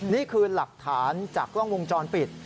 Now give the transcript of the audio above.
นี่คือหลักฐานจากกล้องวงจรปิด